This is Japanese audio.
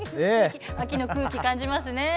秋の空気感じますね。